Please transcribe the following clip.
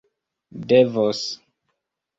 devos